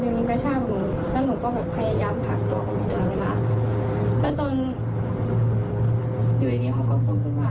หนูไม่กล้าปล่อยตอนนั้นหนูไม่กล้าปล่อยของเขาเลย